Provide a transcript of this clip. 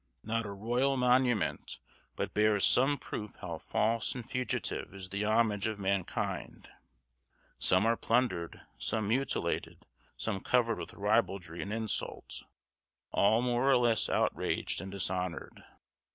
Not a royal monument but bears some proof how false and fugitive is the homage of mankind. Some are plundered, some mutilated, some covered with ribaldry and insult, all more or less outraged and dishonored.